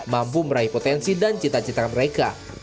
mampu meraih potensi dan cita cita mereka